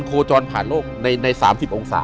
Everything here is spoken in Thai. อยู่ที่แม่ศรีวิรัยิลครับ